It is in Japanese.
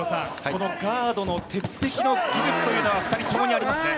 このガードの鉄壁の技術というのは２人ともにありますね。